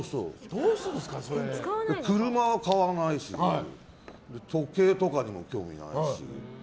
車は買わないし時計とかにも興味ないし。